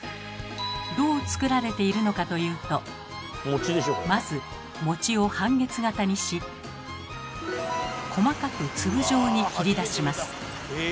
どう作られているのかというとまず餅を半月形にし細かく粒状に切り出します。